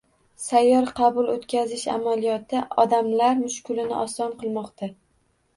Sayyor qabul o‘tkazish amaliyoti odamlar mushkulini oson qilmoqda